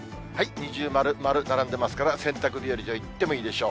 二重丸、丸、並んでますから、洗濯日和といってもいいでしょう。